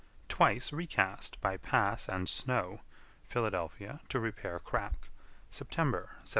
Twice recast by Pass & Snow, Philadelphia, to repair crack, September, 1752.